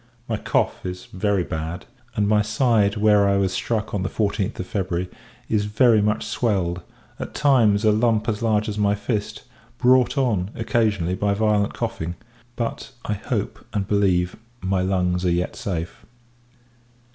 My cough is very bad; and my side, where I was struck on the 14th of February, is very much swelled; at times, a lump as large as my fist, brought on, occasionally, by violent coughing: but, I hope, and believe, my lungs are yet safe.